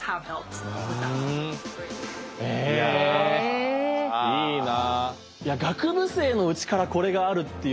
えいいな。